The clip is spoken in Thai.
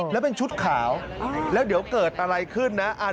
แล้วเป็นชุดขาวแล้วเดี๋ยวเกิดอะไรขึ้นนะ